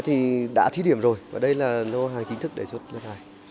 thì đã thí điểm rồi và đây là lô hàng chính thức để xuất nước này